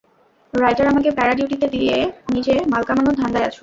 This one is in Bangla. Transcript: রাইটার, আমাকে প্যারা-ডিউটিতে দিয়ে নিজে মাল কামানোর ধান্দায় আছ?